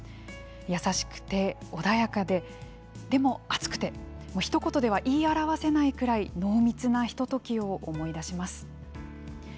優しくて穏やかででも熱くてひと言では言い表わせないくらい濃密なひとときを思い出します。